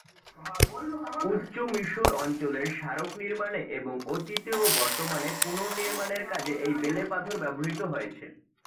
উচ্চ মিশর অঞ্চলের স্মারক নির্মাণে এবং অতীতে ও বর্তমানে পুনর্নির্মাণের কাজে এই বেলেপাথর ব্যবহৃত হয়েছে।